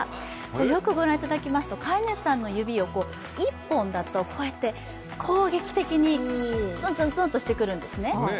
よくご覧いただきますと、飼い主さんの指を１本だとこうやって攻撃的にツンツンツンとしてくるんですね。